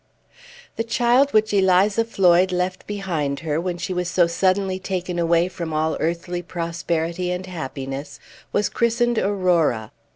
The child which Eliza Floyd left behind her, when she was so suddenly taken away from all earthly prosperity and happiness, was christened Aurora.